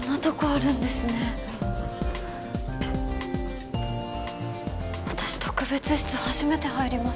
うん私特別室初めて入ります